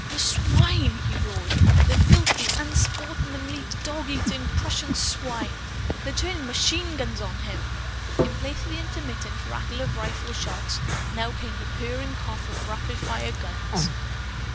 "The swine!" he roared. "The filthy, unsportsmanly, dog eating Prussian swine! They're turning MACHINE GUNS on him!" In place of the intermittent rattle of rifleshots now came the purring cough of rapidfire guns.